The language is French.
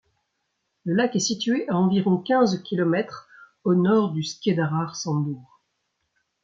Le lac est situé à environ quinze kilomètres au nord du Skeiðarársandur.